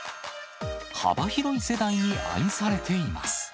幅広い世代に愛されています。